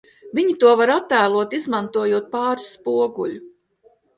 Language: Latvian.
Viņi to var attēlot, izmantojot pāris spoguļu!